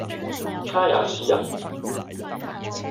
他也是人，